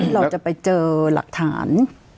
เราจะไปเจอหลักฐาน